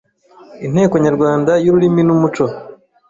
Inteko Nyarwanda y’Ururimi n’Umuco,